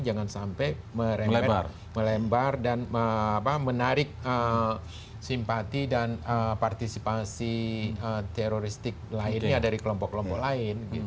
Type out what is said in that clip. jangan sampai melebar dan menarik simpati dan partisipasi teroristik lainnya dari kelompok kelompok lain